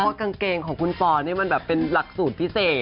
เพราะกางเกงของคุณปอนี่มันแบบเป็นหลักสูตรพิเศษ